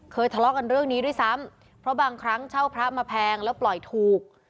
ทะเลาะกันเรื่องนี้ด้วยซ้ำเพราะบางครั้งเช่าพระมาแพงแล้วปล่อยถูก